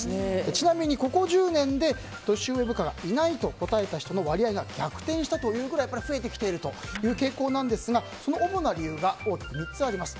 ちなみに、ここ１０年で年上部下がいないと答えた人の割合が逆転したというぐらい増えてきているという傾向でその主な理由が大きく３つあります。